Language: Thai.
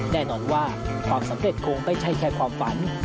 แน่นอนว่าความสำเร็จคงไม่ใช่แค่ความฝัน